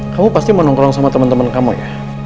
kamu pasti mau nongkrong sama temen temen kamu ya